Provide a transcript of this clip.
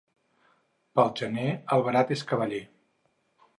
Pel gener, el verat és cavaller.